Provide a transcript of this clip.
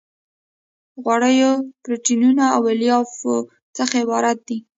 غوړیو پروتینونو او الیافو څخه عبارت دي.